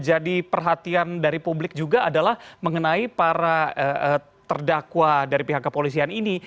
perhatian dari publik juga adalah mengenai para terdakwa dari pihak kepolisian ini